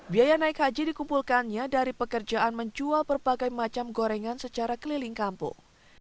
biaya naik haji dikumpulkannya dari pekerjaan menjual berbagai macam gorengan secara keliling kampung